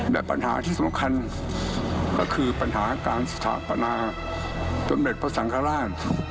แต่ปัญหาที่สำคัญก็คือปัญหาการสถาปนาสมเด็จพระสังฆราช